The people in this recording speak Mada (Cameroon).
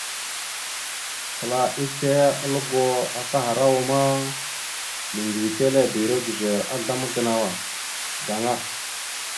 Kəla asle a lugo kahərawa ma, meŋgʉwetelebire gʉzer azzlam gənaw gaŋa.